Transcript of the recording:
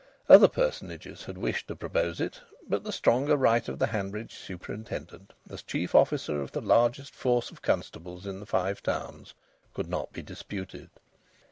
Other personages had wished to propose it, but the stronger right of the Hanbridge Superintendent, as chief officer of the largest force of constables in the Five Towns, could not be disputed.